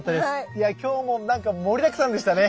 いや今日もなんか盛りだくさんでしたね。